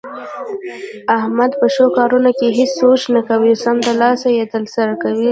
احمد په ښو کارونو کې هېڅ سوچ نه کوي، سمدلاسه یې ترسره کوي.